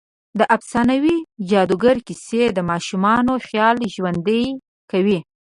د افسانوي جادوګر کیسه د ماشومانو خيال ژوندۍ کوي.